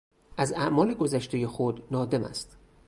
از اعمال گذشتهی خود نادم است.